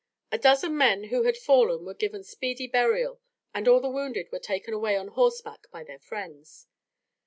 A dozen men who had fallen were given speedy burial, and all the wounded were taken away on horseback by their friends.